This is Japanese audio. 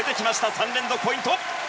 ３連続ポイント！